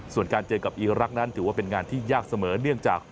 ส่วนการเจอกับอีรักษ์นั้นถือว่าเป็นงานที่ยากเสมอเนื่องจาก